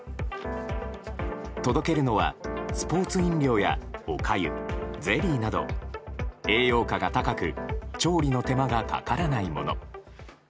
届けるのはスポーツ飲料やおかゆ、ゼリーなど栄養価が高く調理の手間がかからないもの。